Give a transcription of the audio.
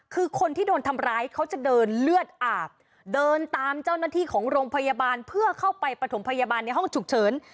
คือคนที่โดนทำร้ายเขาจะเดินเลือดอาบเดินตามเจ้าหน้าที่ของโรงพยาบาลเพื่อเข้าไปประถมพยาบาลในห้องฉุกเฉิน